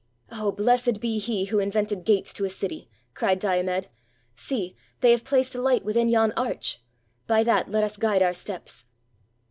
"Oh, blessed be he who invented gates to a city!" cried Diomed. " See !— they have placed a hght within yon arch: by that let us guide our steps."